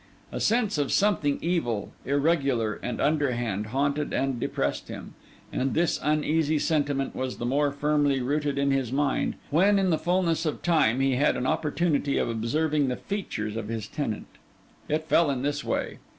A sense of something evil, irregular and underhand, haunted and depressed him; and this uneasy sentiment was the more firmly rooted in his mind, when, in the fulness of time, he had an opportunity of observing the features of his tenant. It fell in this way.